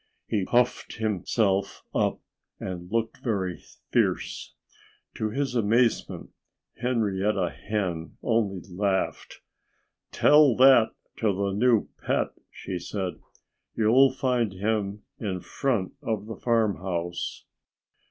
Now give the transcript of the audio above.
He puffed himself up and looked very fierce. To his amazement, Henrietta Hen only laughed. "Tell that to the new pet!" she said. "You'll find him in front of the farmhouse."